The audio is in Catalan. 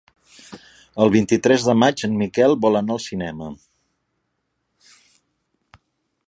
El vint-i-tres de maig en Miquel vol anar al cinema.